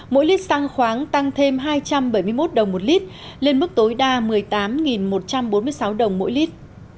mỗi lít xăng khoáng tăng thêm hai trăm bảy mươi một đồng một lít lên mức tối đa một mươi tám một trăm bốn mươi sáu đồng mỗi lít